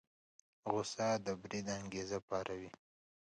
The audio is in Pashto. غوسه د بريد انګېزه پاروي.